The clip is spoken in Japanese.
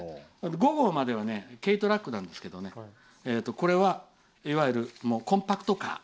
５号までは軽トラックなんですがこれはいわゆるコンパクトカー。